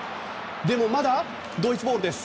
でもまだドイツボールです。